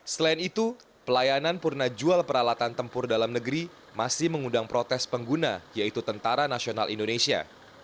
selain itu pelayanan purna jual peralatan tempur dalam negeri masih mengundang protes pengguna yaitu tentara nasional indonesia